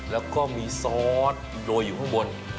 แล้วก็มีซอสโรยอยู่ข้างบน